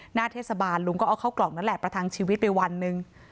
หน้าเทศบาลลุงก็เอาเข้ากล่องนั่นแหละประทังชีวิตไปวันหนึ่ง